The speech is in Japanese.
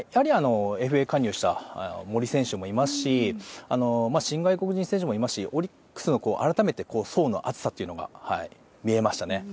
ＦＡ加入した森選手もいますし新外国人選手もいますし改めてオリックスの層の厚さというのが見えましたね。